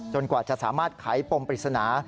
กว่าจะสามารถไขปมปริศนา